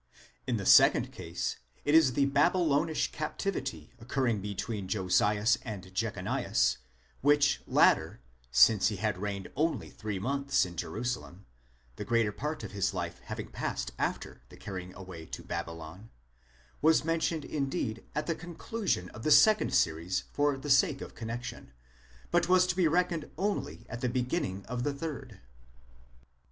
In the second case it is the Badbylonish captivity occur ring between Josias and Jechonias, which latter, since he had reigned only three months in Jerusalem (the greater part of his life having passed after the carrying away to Babylon), was mentioned indeed at the conclusion of the second series for the sake of connexion, but was to be reckoned only at the beginning of the third.